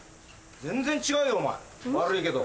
全然違うよお前悪いけど。